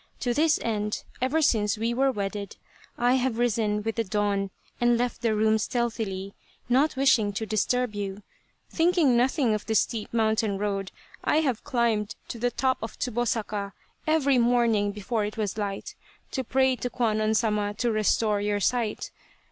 To this end, ever since we were wedded, I have risen with the dawn and left the room stealthily, not wishing to disturb you. Thinking nothing of the steep mountain road, I have climbed to the top of Tsubosaka 164 Tsubosaka every morning before it was light to pray to Kwannon Sama to restore your sight.